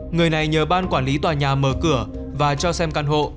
người này nhờ ban quản lý tòa nhà mở cửa và cho xem căn hộ